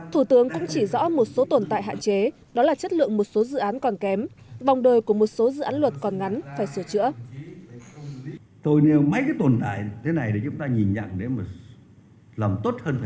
thủ tướng nguyễn xuân phúc cho rằng cần tiếp tục hoàn thiện quy trình xây dựng pháp luật